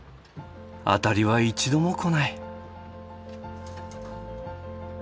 アタリは一度も来ない。